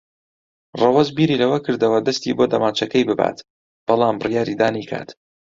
ڕەوەز بیری لەوە کردەوە دەستی بۆ دەمانچەکەی ببات، بەڵام بڕیاری دا نەیکات.